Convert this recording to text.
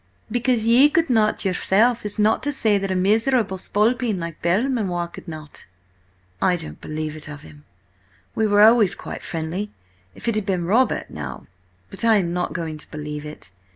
"Because ye could not yourself, is not to say that a miserable spalpeen like Belmanoir could not." "I don't believe it of him. We were always quite friendly–if it had been Robert now— But I am not going to believe it.